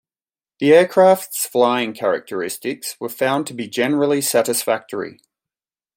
The aircraft's flying characteristics were found to be generally satisfactory.